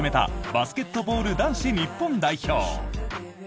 バスケットボール男子日本代表。